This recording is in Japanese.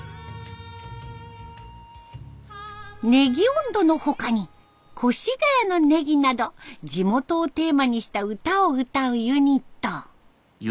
葱音頭の他に「越谷の葱」など地元をテーマにした歌を歌うユニット。